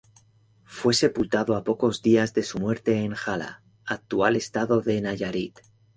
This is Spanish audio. Fue sepultado a pocos días de su muerte en Jala, actual estado de Nayarit.